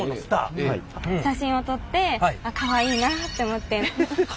写真を撮ってあっかわいいなって思って。